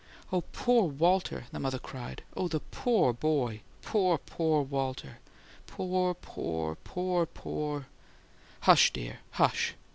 "Oh, POOR Walter!" The mother cried. "Oh, the POOR boy! Poor, poor Walter! Poor, poor, poor, POOR " "Hush, dear, hush!"